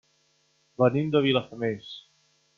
Venim de Vilafamés.